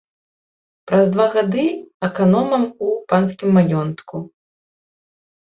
Праз два гады аканомам у панскім маёнтку.